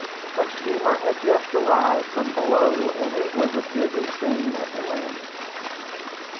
A steamer had just arrived from below, and it was a busy scene at the landing.